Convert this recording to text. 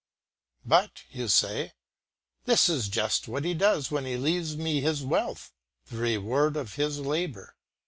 "But," you say, "this is just what he does when he leaves me his wealth, the reward of his labour."